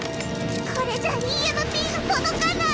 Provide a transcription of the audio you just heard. これじゃＥＭＰが届かない！